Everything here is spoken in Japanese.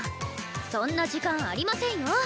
そんな時間ありませんよ。